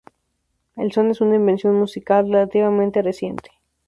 El son es una invención musical relativamente reciente.